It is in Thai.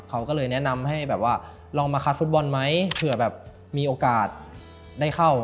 เขาก็เลยแนะนำให้แบบว่าลองมาคัดฟุตบอลไหมเผื่อแบบมีโอกาสได้เข้า